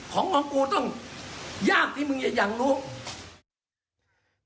ของของกูต้องยากที่มึงจะอยากรู้